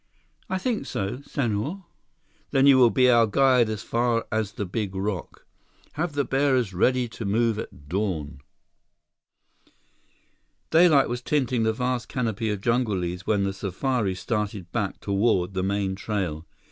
"I think so, Senhor." "Then you will be our guide as far as the big rock. Have the bearers ready to move at dawn." Daylight was tinting the vast canopy of jungle leaves when the safari started back toward the main trail.